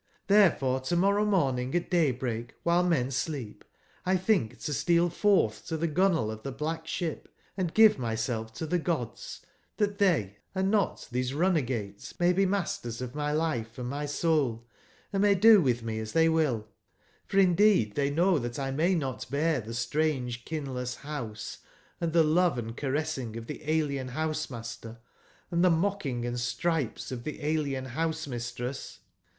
TTberef ore to/morrow morningat daybreak wbilemensleep, Xtbinkt08teal f ortb to tbe gunwale of tbe black sbip & give myself to tbe gods, tbat tbey and not tbese runagates may be masters of my life and my soul, and may do witb me as tbey will: for indeed tbey know tbat X may not beartbestrangekinless bouse. &tbeloveand caress/ ing of tbe alien bouse/master, and tbe mocking and stripes of tbe alien bouse/mistress.